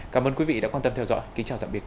cảm ơn quý vị đã quan tâm theo dõi